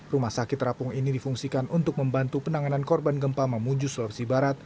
rumah sakit terapung ini difungsikan untuk membantu penanganan korban gempa memuju sulawesi barat